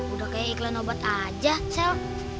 udah kayak iklan obat aja cell